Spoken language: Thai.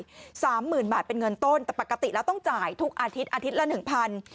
ิกค้าเป็น๓หมื่นบาทเป็นเงินต้นแต่ปะกติแล้วต้องจ่ายทุกอาทิตย์อาทิตย์ละ๑๐๐๐บาท